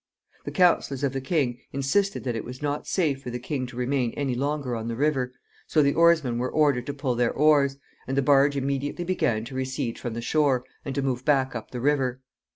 The counselors of the king insisted that it was not safe for the king to remain any longer on the river, so the oarsmen were ordered to pull their oars, and the barge immediately began to recede from the shore, and to move back up the river.